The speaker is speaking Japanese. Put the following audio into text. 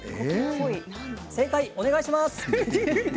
正解をお願いします。